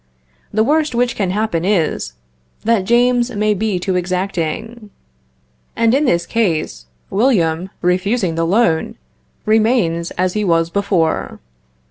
The worst which can happen is, that James may be too exacting; and in this case, William, refusing the loan, remains as he was before.